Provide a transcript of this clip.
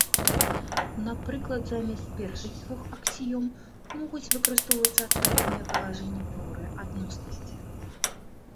Напрыклад, замест першых двух аксіём могуць выкарыстоўвацца адпаведныя палажэнні тэорыі адноснасці.